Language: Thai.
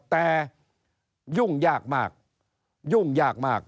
แต่ยุ่งยากมาก